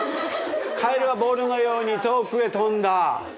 カエルはボールのように遠くへ飛んだ。